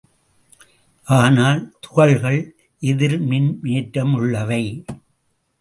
ஆனால், துகள்கள் எதிர்மின்னேற்றமுள்ளவை.